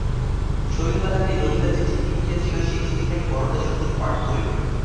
শৈলবালাকে ললিতা যে চিঠি লিখিয়াছিল সেই চিঠিখানি বরদাসুন্দরী পাঠ করিলেন।